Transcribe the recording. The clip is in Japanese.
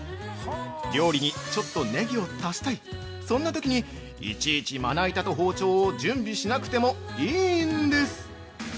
料理にちょっとネギを足したい、そんなときに、いちいちまな板と包丁を準備しなくてもいいんです！！